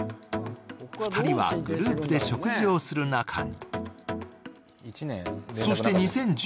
２人はグループで食事をする仲に。